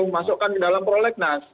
masukkan ke dalam prolegnas